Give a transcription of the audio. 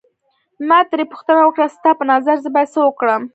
ما ترې پوښتنه وکړه ستا په نظر زه باید څه وکړم.